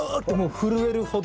震えるほど？